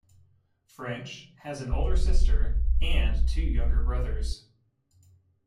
French has an older sister and two younger brothers.